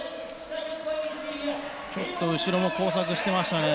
ちょっと後ろも交錯していました。